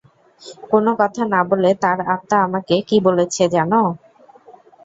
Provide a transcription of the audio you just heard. কোন কথা না বলে তার আত্মা আমাকে কি বলেছে জান?